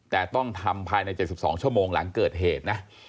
แต่ต้องทำภายใน๗๒ชั่วโมงหลังเกิดเหตุนะ